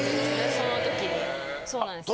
その時にそうなんですよ。